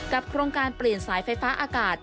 โครงการเปลี่ยนสายไฟฟ้าอากาศ